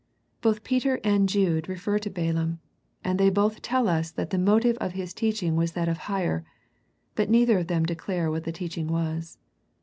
Both Peter and Jude refer to Balaam, and they both tell us that the motive of his teaching was that of hire, but neither of them declare what the teaching was.